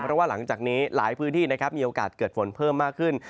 เพราะว่าหลังจากนี้หลายพื้นที่นะครับมีโอกาสเกิดฝนเพิ่มมากขึ้น